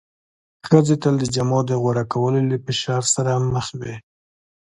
ښځې تل د جامو د غوره کولو له فشار سره مخ وې.